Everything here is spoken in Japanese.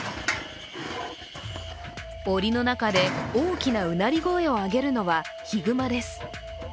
おりの中で大きなうなり声を上げるのはヒグマです。